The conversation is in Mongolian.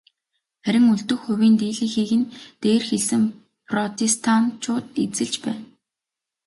Харин үлдэх хувийн дийлэнхийг нь дээр хэлсэн протестантчууд эзэлж байна.